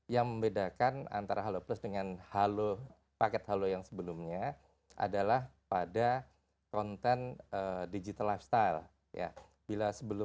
yang membedakan antara halo plus dengan halo paket halo yang sebelumnya adalah pada konten digital lifestyle